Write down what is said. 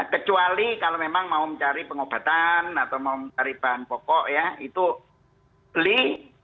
kecuali kalau memang mau mencari pengobatan atau mau mencari bahan pokok ya itu beli